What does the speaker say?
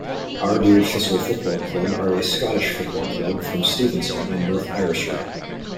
Ardeer Thistle Football Club are a Scottish football club from Stevenston in North Ayrshire.